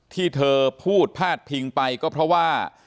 ที่เธอพูดพาดพิงไปก็เพราะว่า